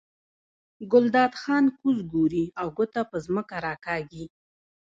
ګلداد خان کوز ګوري او ګوته په ځمکه راکاږي.